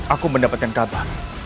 aku mendapatkan kabar